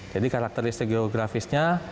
jadi karakteristik geografisnya